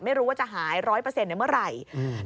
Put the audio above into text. ไม่รู้ว่าจะหาย๑๐๐เมื่อไหร่